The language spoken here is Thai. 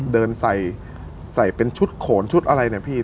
เดินใส่ใส่เป็นชุดโขนชุดอะไรเนี่ยพี่